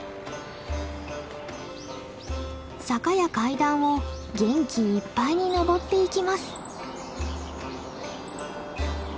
坂や階段を元気いっぱいに上っていきます。